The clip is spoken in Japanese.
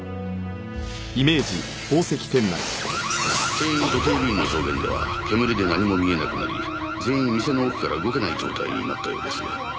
店員と警備員の証言では煙で何も見えなくなり全員店の奥から動けない状態になったようです。